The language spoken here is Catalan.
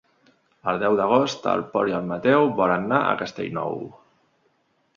El deu d'agost en Pol i en Mateu volen anar a Castellnou.